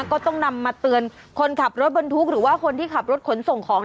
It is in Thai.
ก็ต้องนำมาเตือนคนขับรถบรรทุกหรือว่าคนที่ขับรถขนส่งของ